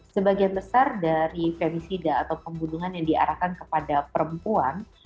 sebagian besar dari femisida atau pembunuhan yang diarahkan kepada perempuan